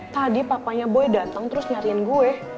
tadi papanya boy datang terus nyariin gue